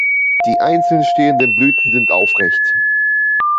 Die einzeln stehenden Blüten sind aufrecht.